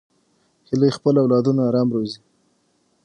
هیلۍ خپل اولادونه آرام روزي